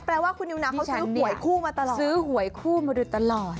เมื่อแล้วว่าคุณยูนะซื้อหวยคู่มาตลอด